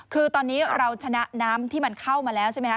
คือตอนนี้เราชนะน้ำที่มันเข้ามาแล้วใช่ไหมคะ